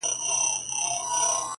چي خپل مُلا چي خپل لښکر او پاچا ولټوو!!